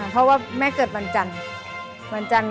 เพราะว่าแม่เกิดวันจันทร์